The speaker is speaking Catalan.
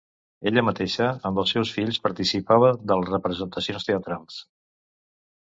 Ella mateixa, amb els seus fills participava de les representacions teatrals.